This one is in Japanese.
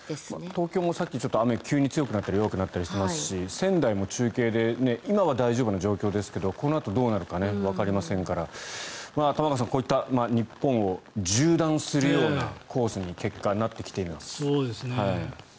東京もさっきちょっと雨が急に強くなったり弱くなったりしましたし仙台も中継で今は大丈夫な状況ですがこのあとどうなるかわかりませんから玉川さん、こういった日本を縦断するようなコースの結果になってきています。